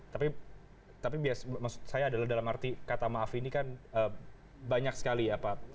tapi biasa maksud saya adalah dalam arti kata maaf ini kan banyak sekali ya pak